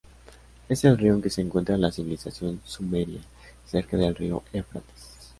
Es el río en que se encuentra la civilización sumeria, cerca del río Éufrates.